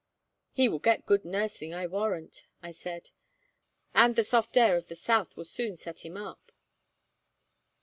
"He will get good nursing, I warrant," I said, "and the soft air of the south will soon set him up."